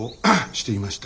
していました。